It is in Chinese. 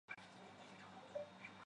他的生平在沃尔索尔博物馆展出。